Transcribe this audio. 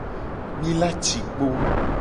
Mi la ci kpo.